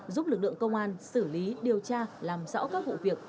giúp lực lượng công an xử lý điều tra làm rõ các vụ việc